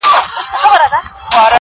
په سلا کي د وزیر هیڅ اثر نه وو؛